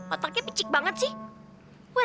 otaknya picik banget sih